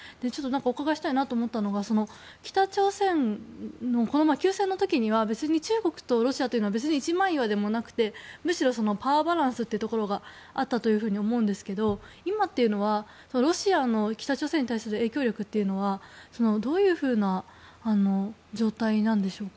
お伺いしたいと思ったのは北朝鮮の休戦の時は別に中国とロシアというのは一枚岩でもなくてむしろパワーバランスがあったと思うんですけど、今というのはロシアの北朝鮮に対する影響力というのはどういうふうな状態なんでしょうか。